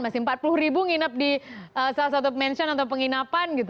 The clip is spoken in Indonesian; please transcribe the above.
masih empat puluh ribu nginep di salah satu mention atau penginapan gitu